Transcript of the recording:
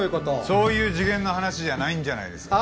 そういう次元の話じゃないんじゃないですか？